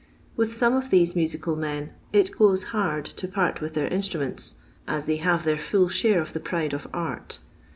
With some of | these musical men it goes hard to part with their . instruments, as they have their full share of the | pride of art.